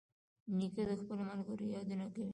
نیکه د خپلو ملګرو یادونه کوي.